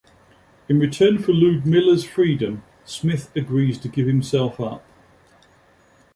In return for Ludmilla's freedom, Smith agrees to give himself up.